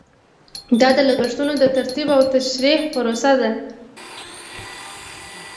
دا د لګښتونو د ترتیب او تشریح پروسه ده.